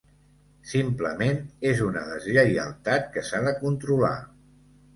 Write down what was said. Simplement, és una deslleialtat que s’ha de controlar.